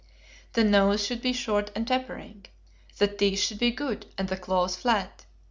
The nose should be short and tapering. The teeth should be good, and the claws flat.